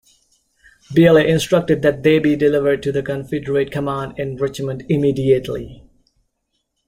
Beale instructed that they be delivered to the Confederate command in Richmond immediately.